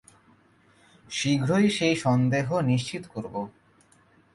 শিঘ্রই সেই সন্দেহ নিশ্চিত করব।